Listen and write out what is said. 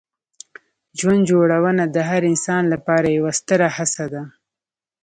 ژوند جوړونه د هر انسان لپاره یوه ستره هڅه ده.